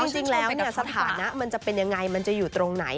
จริงแล้วสถานะมันจะเป็นยังไงมันจะอยู่ตรงไหน